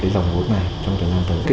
dòng vốn này trong thời gian tới